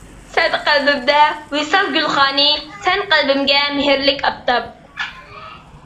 سەن قەلبىمدە ۋىسال گۈلخانى، سەن قەلبىمگە مېھىرلىك ئاپتاپ.